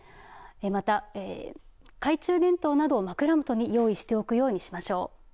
また懐中電灯などを枕元に用意しておくようにしましょう。